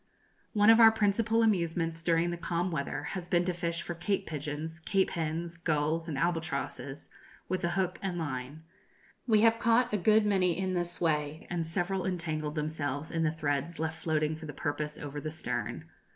One of our principal amusements during the calm weather has been to fish for cape pigeons, cape hens, gulls, and albatrosses, with a hook and line. We have caught a good many in this way, and several entangled themselves in the threads left floating for the purpose over the stern.